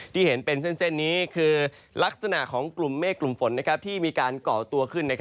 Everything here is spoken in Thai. ที่เห็นเป็นเส้นนี้คือลักษณะของกลุ่มเมฆกลุ่มฝนที่มีการก่อตัวขึ้น